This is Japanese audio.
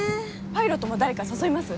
パイロットも誰か誘います？